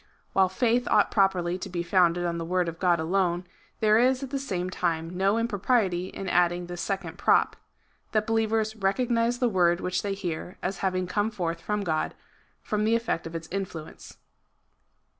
While faith ought properly to be founded on the word of God alone, there is at the same time no impropriety in adding this second prop, — that be lievers recognise the word which they hear as having come forth from God, from the efiect of its influence.